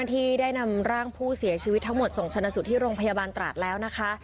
ที่ได้นำร่างผู้เสียชีวิตทั้งหมดส่งชนะสูตรที่โรงพยาบาลตราดแล้วนะคะ